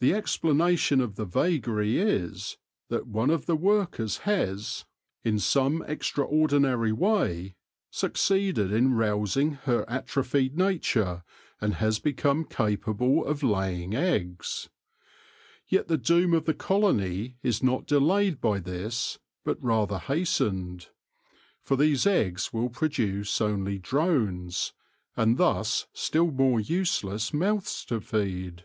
The explanation of the vagary ioo THE LORE OF THE HONEY BEE is that one of the workers has, in some extraordinary way, succeeded in rousing her atrophied nature, and has become capable of laying eggs. Yet the doom of the colony is not delayed by this, but rather hastened ; for these eggs will produce only drones, and thus still more useless mouths to feed.